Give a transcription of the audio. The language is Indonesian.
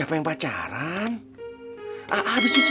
siapa yang pacaran aabisin main